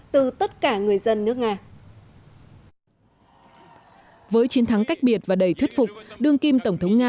từ tất cả người dân nước nga với chiến thắng cách biệt và đầy thuyết phục đương kim tổng thống nga